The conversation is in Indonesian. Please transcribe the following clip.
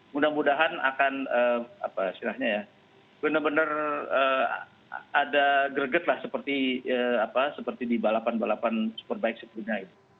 mudah mudahan akan benar benar ada greget seperti di balapan balapan superbike sebetulnya